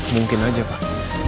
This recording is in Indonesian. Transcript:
mungkin aja mbak